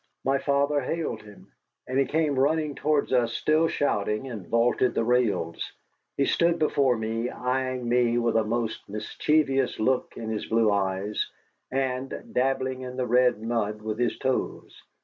My father hailed him, and he came running towards us, still shouting, and vaulted the rails. He stood before us, eying me with a most mischievous look in his blue eyes, and dabbling in the red mud with his toes.